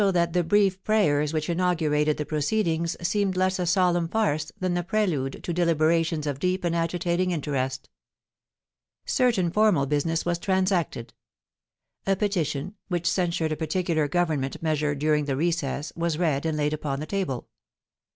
that the brief prayers which inaugurated the proceedings seemed less a solemn farce than the prelude to deliberatioDS of deep and agitating interest. Certain formal business was transacted. A p>etition, which censured a particular Government measure during the recess, was read and laid upon the table.